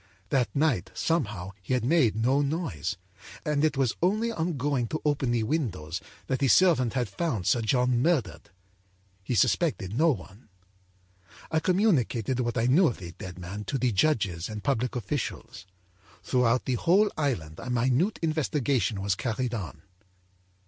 âThat night, somehow, he had made no noise, and it was only on going to open the windows that the servant had found Sir John murdered. He suspected no one. âI communicated what I knew of the dead man to the judges and public officials. Throughout the whole island a minute investigation was carried on.